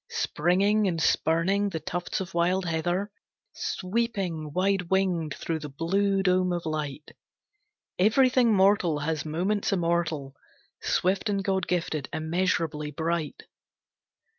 Springing and spurning the tufts of wild heather, Sweeping, wide winged, through the blue dome of light. Everything mortal has moments immortal, Swift and God gifted, immeasurably bright.